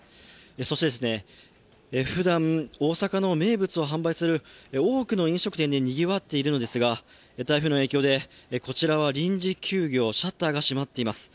そして、ふだん大阪の名物を販売する多くの飲食店でにぎわっているのですが、台風の影響でこちらは臨時休業、シャッターが閉まっています。